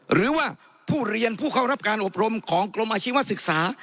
หรือว่าผู้เรียนผู้เข้ารับการอบรมของกรมอาชีวศึกษา